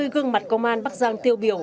hai mươi gương mặt công an bắc giang tiêu biểu